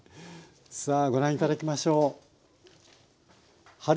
さあご覧頂きましょう。